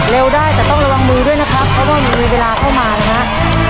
ได้แต่ต้องระวังมือด้วยนะครับเพราะว่ายังมีเวลาเข้ามานะครับ